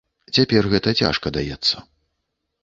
Цяпер гэта цяжка даецца.